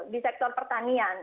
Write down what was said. di sektor pertanian